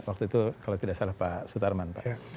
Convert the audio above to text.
waktu itu kalau tidak salah pak sutarman pak